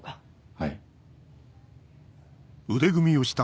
はい。